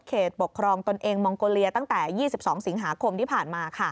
ปกครองตนเองมองโกเลียตั้งแต่๒๒สิงหาคมที่ผ่านมา